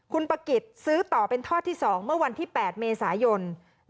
คุณปะกิจซื้อต่อเป็นทอดที่๒เมื่อวันที่๘เมษายน